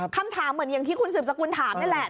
คำถามเหมือนอย่างที่คุณสืบสกุลถามนี่แหละ